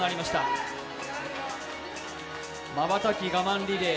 まばたき我慢リレー